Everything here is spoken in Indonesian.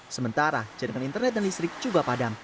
sementara jaringan internet dan listrik juga padam